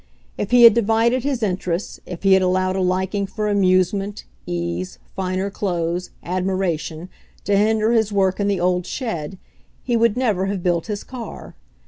If he had divided his interests, if he had allowed a liking for amusement, ease, finer clothes, ad miration, to hinder his work in the old shed, he would never have built his car.